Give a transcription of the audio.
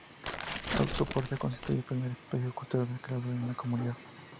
Atapuerca constituye el primer Espacio Cultural declarado en la Comunidad.